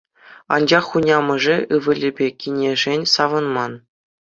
Анчах хунямӑшӗ ывӑлӗпе кинӗшӗн савӑнман.